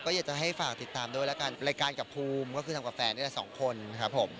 ก็อยากจะให้ฝากติดตามด้วยแล้วกันรายการกับภูมิก็คือทำกับแฟนนี่แหละสองคนครับผม